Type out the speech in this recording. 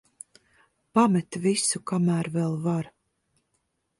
Pamet visu, kamēr vēl var.